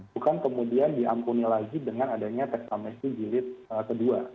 bukan kemudian diampuni lagi dengan adanya tax amnesty gilid ke dua